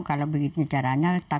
kalau begitu caranya letak